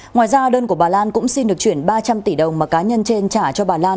ngoài ra đơn của bà lan cũng xin được chuyển ba trăm linh tỷ đồng mà cá nhân trên trả cho bà lan